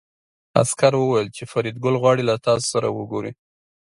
عسکر وویل چې فریدګل غواړي له تاسو سره وګوري